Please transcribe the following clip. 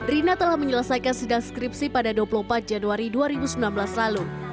rina telah menyelesaikan sedang skripsi pada dua puluh empat januari dua ribu sembilan belas lalu